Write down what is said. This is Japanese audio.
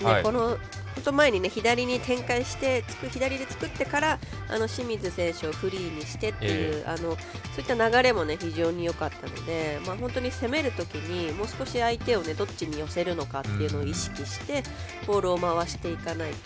本当、前に左に展開して左で作ってから、清水選手をフリーにしてっていうそういった流れも非常によかったので本当に攻めるときにもう少し相手をどっちに寄せるのかっていうのを意識してボールを回していかないと。